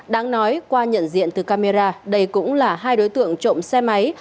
đáng nói qua nhận diện từ camera đây cũng là hai đối tượng trộm xe máy